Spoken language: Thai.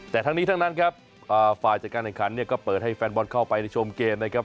แต่ทั้งนี้ทั้งนั้นครับฝ่ายจัดการแข่งขันเนี่ยก็เปิดให้แฟนบอลเข้าไปในชมเกมนะครับ